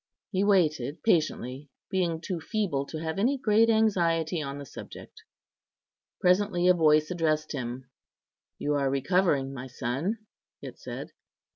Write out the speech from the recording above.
He waited patiently, being too feeble to have any great anxiety on the subject. Presently a voice addressed him: "You are recovering, my son," it said.